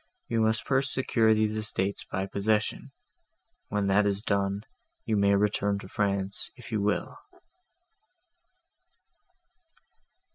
I must first secure these estates by possession: when that is done, you may return to France if you will."